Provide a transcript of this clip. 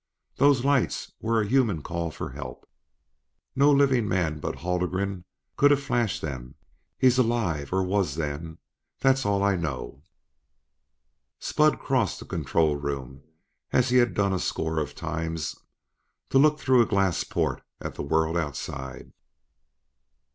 Those lights were a human call for help. No living man but Haldgren could have flashed them. He's alive or he was then; that's all I know." Spud crossed the control room as he had done a score of times to look through a glass port at the world outside.